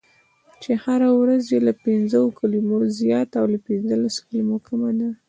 چې هره یوه یې له پنځو کلمو زیاته او له پنځلسو کلمو کمه ده: